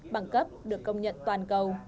bằng cấp được công nhận toàn cầu